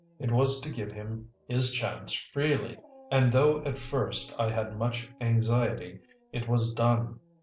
It was to give him his chance freely; and though at first I had much anxiety, it was done.